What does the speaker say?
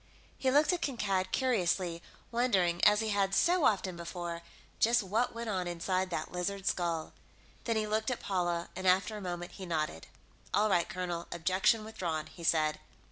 He looked at Kankad curiously, wondering, as he had so often before, just what went on inside that lizard skull. Then he looked at Paula, and, after a moment, he nodded. "All right, colonel, objection withdrawn," he said.